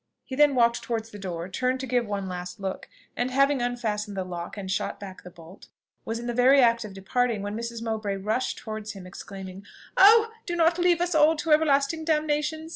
He then walked towards the door, turned to give one last look, and having unfastened the lock and shot back the bolt, was in the very act of departing, when Mrs. Mowbray rushed towards him, exclaiming "Oh, do not leave us all to everlasting damnation!